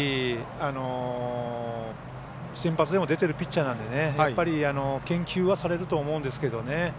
センバツでも出ているピッチャーなので研究はされると思うんですけどね。